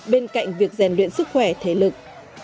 bên cạnh việc rèn luyện sức khỏe thế lực